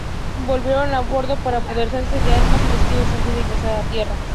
Volvieron a bordo para apoderarse de armas y vestidos antes de ingresar a tierra.